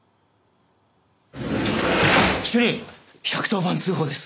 主任１１０番通報です。